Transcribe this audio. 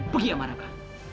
pegi sama raka